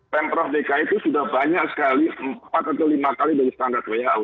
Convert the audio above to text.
pemprov dki itu sudah banyak sekali empat atau lima kali dari standar who